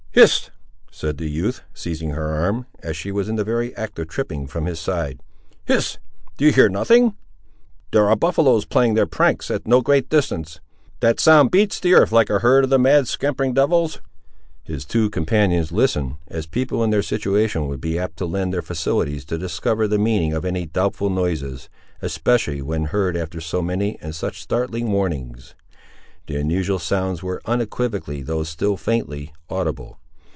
"Hist!" said the youth, seizing her arm, as she was in the very act of tripping from his side—"Hist! do you hear nothing? There are buffaloes playing their pranks, at no great distance—That sound beats the earth like a herd of the mad scampering devils!" His two companions listened, as people in their situation would be apt to lend their faculties to discover the meaning of any doubtful noises, especially, when heard after so many and such startling warnings. The unusual sounds were unequivocally though still faintly audible.